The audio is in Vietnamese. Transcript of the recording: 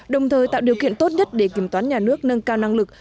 đồng thời tạo điều kiện tốt nhất để kiểm toán nhà nước nâng cao năng lực